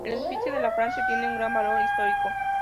El edificio de la Francia tiene un gran valor histórico.